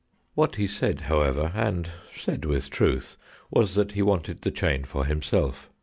What he said, however, and said with truth, was that he wanted the chain for himself.